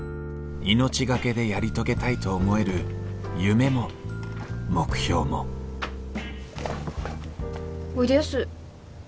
命懸けでやり遂げたいと思える夢も目標もおいでやす。